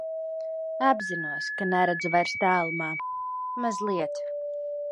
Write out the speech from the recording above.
Apzinos, ka neredzu vairs tālumā. Mazliet.